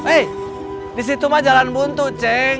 eh di situ mah jalan buntu ceng